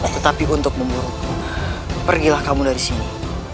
tetapi untuk memburuku pergilah kamu dari sini